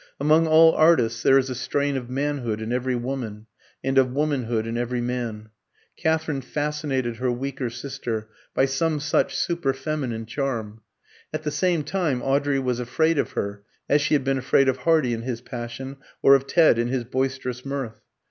Among all artists there is a strain of manhood in every woman, and of womanhood in every man. Katherine fascinated her weaker sister by some such super feminine charm. At the same time, Audrey was afraid of her, as she had been afraid of Hardy in his passion, or of Ted in his boisterous mirth.